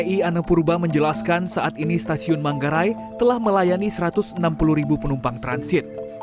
dki anang purba menjelaskan saat ini stasiun manggarai telah melayani satu ratus enam puluh ribu penumpang transit